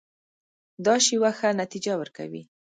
دا شیوه ښه نتیجه ورکوي.